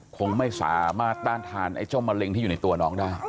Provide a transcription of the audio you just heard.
คงไม่สามารถต้านทานไอ้เจ้ามะเร็งที่อยู่ในตัวน้องได้